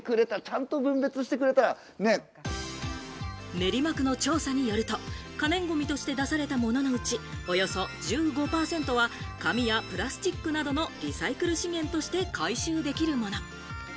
練馬区の調査によると、可燃ごみとして出されたもののうち、およそ１５％は紙やプラスチックなどのリサイクル資源として回収できるもの。